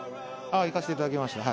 行かせていただきました。